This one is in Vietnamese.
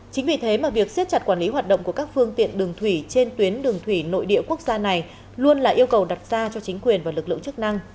chính vì thế mà việc siết chặt quản lý hoạt động của các phương tiện đường thủy trên tuyến đường thủy nội địa quốc gia này luôn là yêu cầu đặt ra cho chính quyền và lực lượng chức năng